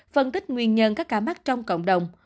phân tích nguyên nhân các ca mắc trong cộng đồng